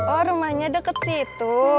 oh rumahnya deket situ